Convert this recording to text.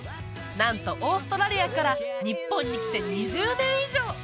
なんとオーストラリアから日本に来て２０年以上！